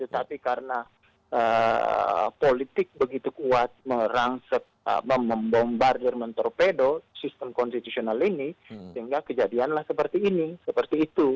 tapi karena politik begitu kuat mengerang membombar jerman torpedo sistem konstitusional ini sehingga kejadianlah seperti ini seperti itu